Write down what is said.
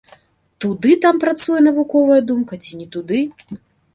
Туды там працуе навуковая думка, ці не туды.